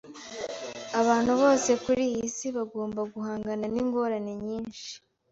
Abantu bose kuri iyi si bagomba guhangana ningorane nyinshi.